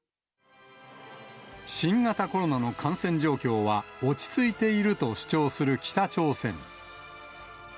新型コロナの感染状況は落ち着いていると主張する北朝鮮。